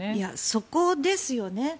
そこですよね。